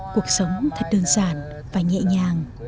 cuộc sống thật đơn giản và nhẹ nhàng